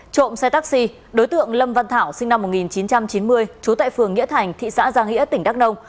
trộm xe taxi đối tượng lâm văn thảo sinh năm một nghìn chín trăm chín mươi trú tại phường nghĩa thành thị xã giang nghĩa tỉnh đắk nông